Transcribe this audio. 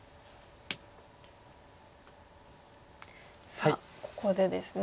さあここでですね